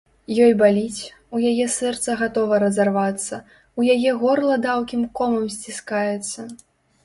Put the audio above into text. Ёй баліць, у яе сэрца гатова разарвацца, у яе горла даўкім комам сціскаецца.